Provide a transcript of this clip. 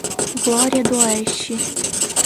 Glória d'Oeste